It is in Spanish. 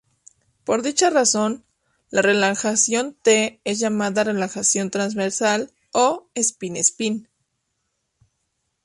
Por dicha razón, la relajación T es llamada relajación "transversal" o "spin-spin".